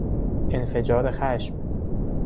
انفجار خشم